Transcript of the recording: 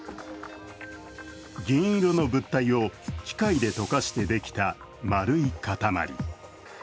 銀色の物体を機械で溶かしてできた丸い塊。